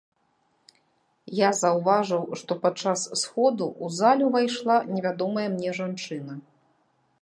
Я заўважыў, што падчас сходу ў залю ўвайшла невядомая мне жанчына.